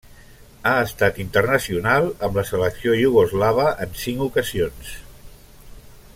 Ha estat internacional amb la selecció iugoslava en cinc ocasions.